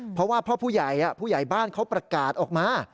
เพราะว่าพ่อผู้ใหญ่ผู้ใหญ่บ้านเขาประกาศออกมา